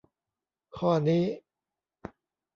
ข้อนี้